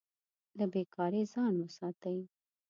له بې کارۍ ځان وساتئ.